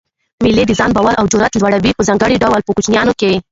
مېلې د ځان باور او جرئت لوړوي؛ په ځانګړي ډول په کوچنيانو کښي.